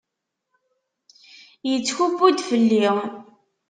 Yettkubbu-d fell-i.